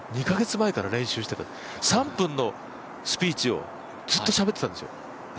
２カ月前から練習してた３分のスピーチをずっとしゃべってたんですよ。